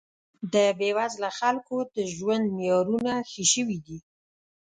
د بې وزله خلکو د ژوند معیارونه ښه شوي دي